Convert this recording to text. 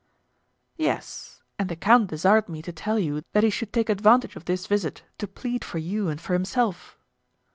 "Yes; and the count desired me to tell you that he should take advantage of this visit to plead for you and for himself."